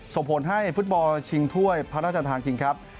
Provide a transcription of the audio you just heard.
ส่งผลให้ฟุตบอลชิงถ้วยพระราชทานคิงครับ